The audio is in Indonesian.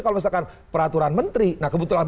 kalau misalkan peraturan menteri nah kebetulan